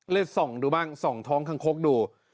ส่องดูบ้างส่องท้องคังคกดู